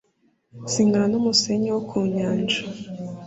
zingana n'umusenyi wo ku nyanja